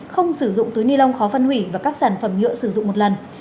không sử dụng túi ni lông khó phân hủy và các sản phẩm nhựa sử dụng một lần